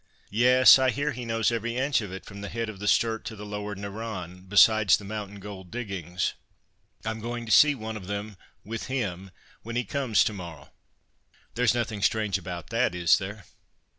"Yes! I hear he knows every inch of it from the head of the Sturt to the Lower Narran, besides the mountain gold diggings. I'm going to see one of them, with him, when he comes to morrow. There's nothing strange about that, is there?"